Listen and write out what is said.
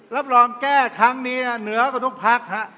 รับรองแก้ครั้งนี้เหนือกับทุกภักดิ์